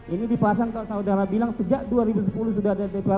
ini dipasang kalau saudara bilang sejak dua ribu sepuluh sudah ada deklarasi